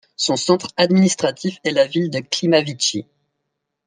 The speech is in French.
Son centre administratif est la ville de Klimavitchy.